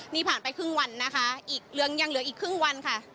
นี่ผ่านไปครึ่งวันนะคะอีกยังเหลืออีกครึ่งวันค่ะ